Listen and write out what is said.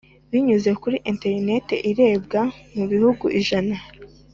binyuze kuri interinete Irebwa mu bihugu ijana